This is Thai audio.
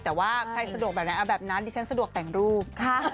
แต่ว่าใครสะดวกแบบไหนเอาแบบนั้นดิฉันสะดวกแต่งรูป